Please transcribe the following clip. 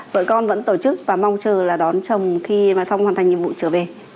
vợ con vẫn tổ chức và mong chờ là đón chồng khi mà xong hoàn thành nhiệm vụ trở về